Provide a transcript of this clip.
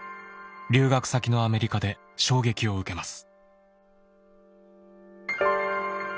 留学先のアメリカで衝撃を受けます。